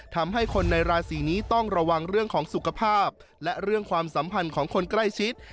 ทำให้คนในราศีนี้ต้องระวังเรื่องของสุขภาพและเรื่องความสัมพันธ์ของคนใกล้ชิด